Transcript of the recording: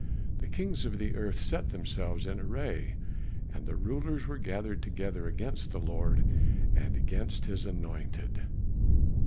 The kings of the earth set themselves in array, And the rulers were gathered together Against the Lord, and against his Anointed.